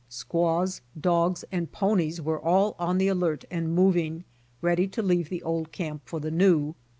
Squaws, dogs, and ponies were all on the alert and moving, ready to leave the old camp for the new.